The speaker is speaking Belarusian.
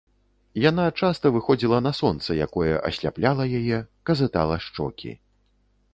Яна часта выходзіла на сонца, якое асляпляла яе, казытала шчокі.